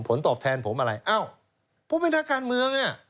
ผลตอบแทนผมอะไรอ้าวผมเป็นนักการเมืองอ่ะ